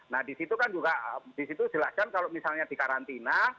nah disitu kan juga disitu jelas kan kalau misalnya dikarantina